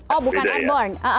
oh bukan airborne